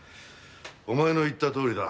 お前の言ったとおりだ。